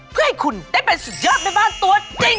เพื่อให้คุณได้เป็นสุดยอดแม่บ้านตัวจริง